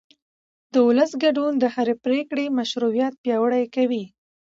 د ولس ګډون د هرې پرېکړې مشروعیت پیاوړی کوي